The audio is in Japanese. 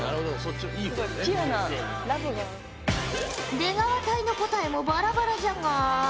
出川隊の答えもバラバラじゃが。